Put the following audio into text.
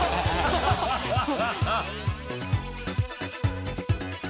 ハハハハ！